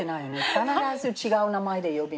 必ず違う名前で呼びますね。